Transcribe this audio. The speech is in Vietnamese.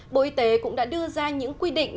bộ y tế cũng đã đưa ra những quy định